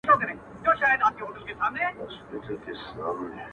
سیاه پوسي ده، شپه لېونۍ ده،